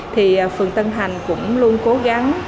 thì phường tân hành cũng luôn cố gắng